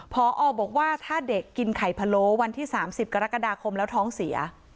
พอบอกว่าถ้าเด็กกินไข่พะโลวันที่๓๐กรกฎาคมแล้วท้องเสีย